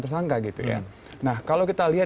tersangka gitu ya nah kalau kita lihat